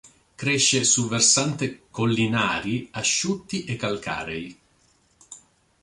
Cresce su versanti collinari asciutti e calcarei.